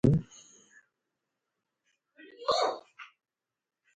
برفانی چیتے ہور رِچھ بھی ہن۔